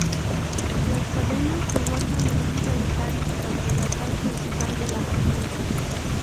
Las cadenas se guardan en un relicario bajo el altar principal de la basílica.